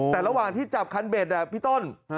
แต่ระหว่างที่จับคันเบ็ดพี่ต้น